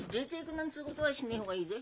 なんつうことはしねえ方がいいぞい。